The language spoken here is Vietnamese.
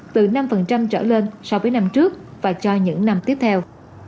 từ năm trở lên so với năm trước và cho những năm tiếp theo